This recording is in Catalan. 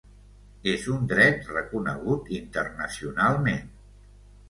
És un dret reconegut internacionalment.